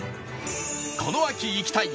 この秋行きたい！